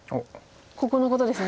ここのことですね。